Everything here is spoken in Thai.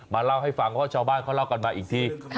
เล่าให้ฟังว่าชาวบ้านเขาเล่ากันมาอีกที